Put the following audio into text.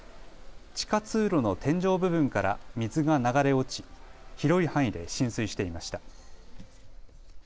地下通路の天井部分から水が流れ落ち広い範囲で浸水していました。